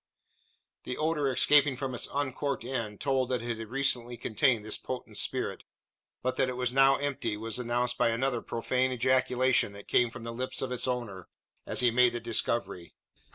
The odour escaping from its uncorked end told that it had recently contained this potent spirit; but that it was now empty, was announced by another profane ejaculation that came from the lips of its owner, as he made the discovery.